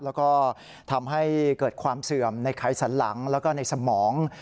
แล้วก็ทำให้เกิดความเสื่อมในไขสันหลังแล้วก็ในสมอง